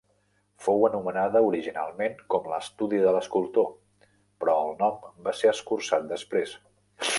Fou anomenada originalment com l'estudi de l'escultor, però el nom va ser escurçat després.